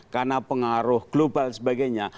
karena pengaruh global dan sebagainya